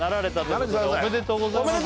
どうもおめでとうございます